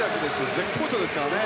絶好調ですからね。